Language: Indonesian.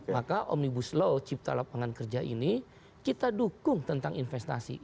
maka omnibus law cipta lapangan kerja ini kita dukung tentang investasi